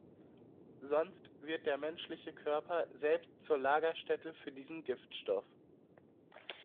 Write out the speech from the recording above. Sonst wird der menschliche Körper selbst zur Lagerstätte für diesen Giftstoff.